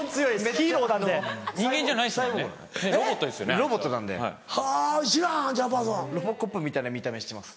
ロボコップみたいな見た目してます。